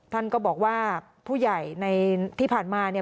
ท่านก็บอกว่าผู้ใหญ่ในที่ผ่านมาเนี่ย